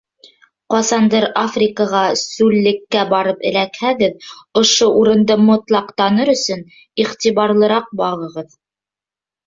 Ҡасандыр Африкаға, сүллеккә барып эләкһәгеҙ, ошо урынды мотлаҡ таныр өсөн, иғтибарлыраҡ багыгыҙ.